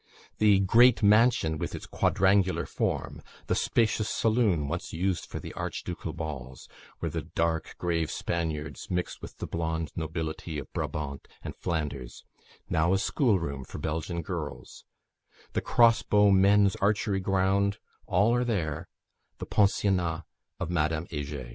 The "great mansion," with its quadrangular form; the spacious saloon once used for the archducal balls, where the dark, grave Spaniards mixed with the blond nobility of Brabant and Flanders now a schoolroom for Belgian girls; the cross bow men's archery ground all are there the pensionnat of Madame Heger.